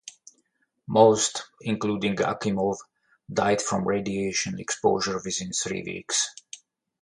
Most, including Akimov, died from radiation exposure within three weeks.